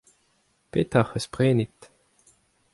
Petra hoc'h eus prenet ?